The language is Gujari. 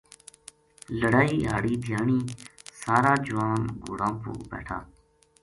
لڑائی ہاڑی دھیاڑی سارا جوان گھوڑاں پو بیٹھا